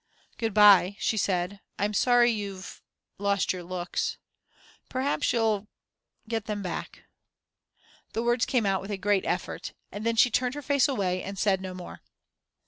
"Good bye," she said. "I'm sorry you've lost your looks. Perhaps you'll get them back." The words came out with a great effort. And then she turned her face away and said no more.